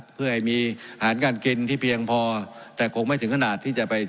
เพื่อให้มีอาหารการกินที่เพียงพอแต่คงไม่ถึงขนาดที่จะไป